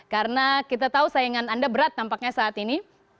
karena kita tahu saingan anda berat tampaknya saat ini